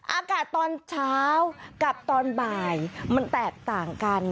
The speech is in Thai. อากาศตอนเช้ากับตอนบ่ายมันแตกต่างกัน